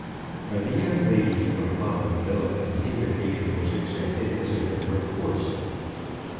By the young ladies from Popham Villa the invitation was accepted as a matter of course.